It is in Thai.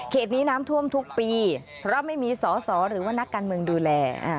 นี้น้ำท่วมทุกปีเพราะไม่มีสอสอหรือว่านักการเมืองดูแล